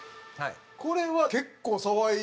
これは結構騒いでたよね。